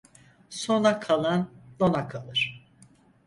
Sona kalan donakalır.